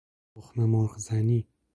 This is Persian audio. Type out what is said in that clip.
تخم مرغ زنی